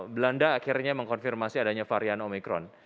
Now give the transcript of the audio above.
belanda akhirnya mengkonfirmasi adanya varian omikron